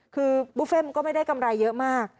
คือบุฟเฟ่มันก็ไม่ได้กำไรเยอะมาก